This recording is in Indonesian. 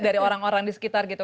dari orang orang di sekitar gitu